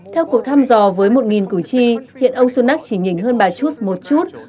theo cuộc thăm dò với một cử tri hiện ông sunak chỉ nhìn hơn bà chus một chút